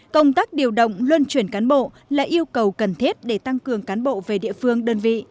công tác điều động luân chuyển cán bộ là yêu cầu cần thiết để tăng cường cán bộ về địa phương đơn vị